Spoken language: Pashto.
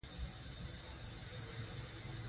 ازادي راډیو د ټولنیز بدلون د منفي اړخونو یادونه کړې.